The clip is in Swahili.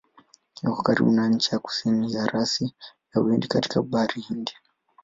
Iko karibu na ncha ya kusini ya rasi ya Uhindi katika Bahari Hindi.